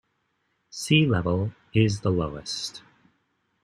Sea level is the lowest.